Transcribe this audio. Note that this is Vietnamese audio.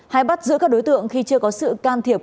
hay bắt giữ các đối tượng khi chưa có sự can thiệp